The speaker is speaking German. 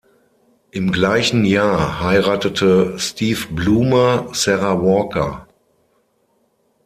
Im gleichen Jahr heiratete Steve Bloomer Sarah Walker.